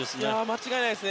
間違いないです。